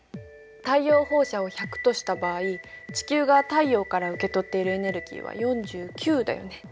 太陽放射を１００とした場合地球が太陽から受け取っているエネルギーは４９だよね。